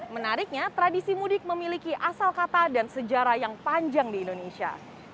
menariknya tradisi mudik memiliki asal kata dan sejarah yang panjang di indonesia